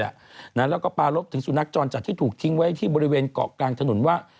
แล้วก็ปารบถึงสุนัขจรจัดที่ถูกทิ้งไว้ที่บริเวณเกาะกลางถนนว่า